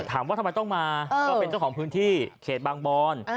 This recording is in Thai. ถามว่าทำไมต้องมาก็เป็นเจ้าของพื้นที่เขตบางบอน